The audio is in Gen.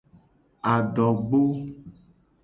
Adogbo.